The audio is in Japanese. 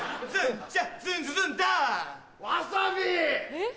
えっ？